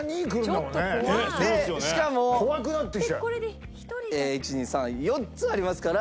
でしかも１２３４つありますから。